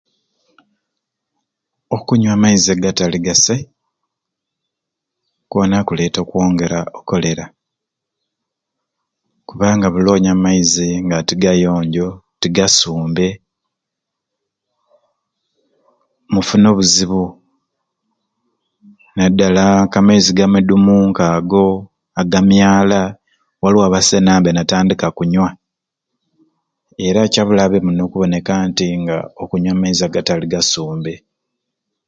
Okunywa amaizi agatali gasai kwona kuleeta okwongera o Kolera kubanga buli lwonywa amaizi nga tigayonjo tigasumbe mufuna obuzibu naddala nka amaizi ga midumu nka ago, agamyala waliwo abasena mbe nibatandika kunywa era kyabulabe muno okuboneka nti nga okunywa amaizi agatali gasumbe.